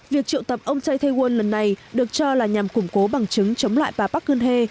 việc triệu tập ông chae tae woon lần này được cho là nhằm củng cố bằng chứng chống lại bà bắc kinh